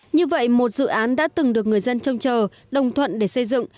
như vậy một dự án đã từng được người dân trông chờ đồng thuận để xây dựng